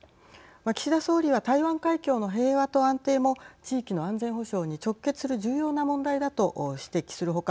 岸田総理は台湾海峡の平和と安定も地域の安全保障に直結する重要な問題だと指摘する他